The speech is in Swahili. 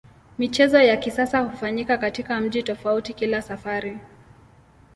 Michezo ya kisasa hufanyika katika mji tofauti kila safari.